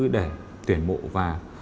để tuyển mộ và